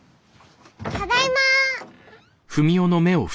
ただいま。